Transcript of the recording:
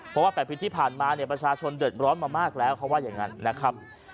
เพราะว่า๘ปีที่ผ่านมาเนี่ยประชาชนเดือดร้อนมามากแล้วเขาว่าอย่างนั้นนะครับ